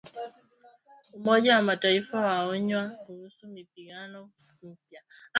Umoja wa Mataifa wawaonya kuhusu mapigano mapya